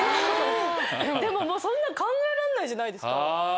でもそんな考えられないじゃないですか。